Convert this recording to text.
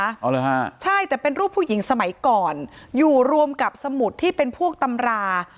เอาเลยฮะใช่แต่เป็นรูปผู้หญิงสมัยก่อนอยู่รวมกับสมุดที่เป็นพวกตำรา